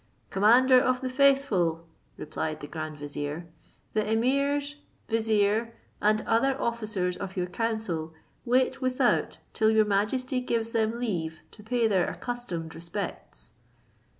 "Commander of the faithful," replied the grand vizier, "the emirs, Vizier, and other officers of your council, wait without till your majesty gives them leave to pay their accustomed respects."